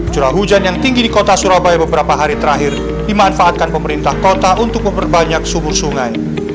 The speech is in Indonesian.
curah hujan yang tinggi di kota surabaya beberapa hari terakhir dimanfaatkan pemerintah kota untuk memperbanyak sumur sungai